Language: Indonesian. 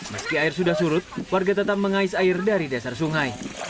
meski air sudah surut warga tetap mengais air dari dasar sungai